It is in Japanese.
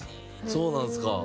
そうなんですか。